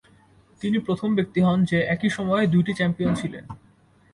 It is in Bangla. তিনি প্রথম ব্যক্তি হন যে একই সময়ে দুইটি চ্যাম্পিয়ন ছিলেন।